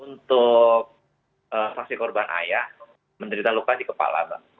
untuk saksi korban ayah menderita luka di kepala mbak